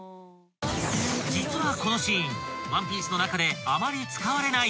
［実はこのシーン『ワンピース』の中であまり使われない］